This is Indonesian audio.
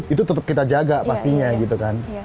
itu tetap kita jaga pastinya gitu kan